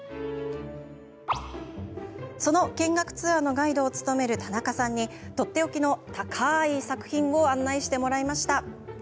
その見学ツアーのガイドを務める田中さんに、とっておきの高い作品を案内してもらいました。